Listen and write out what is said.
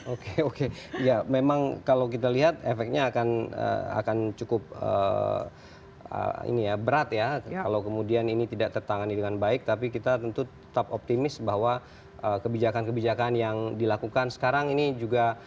oke oke ya memang kalau kita lihat efeknya akan cukup berat ya kalau kemudian ini tidak tertangani dengan baik tapi kita tentu tetap optimis bahwa kebijakan kebijakan yang dilakukan sekarang ini juga